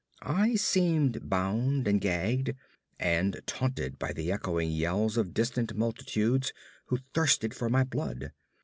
I seemed bound and gagged, and taunted by the echoing yells of distant multitudes who thirsted for my blood.